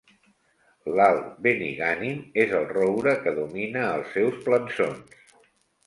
L'alt Benigànim és el roure que domina els seus plançons.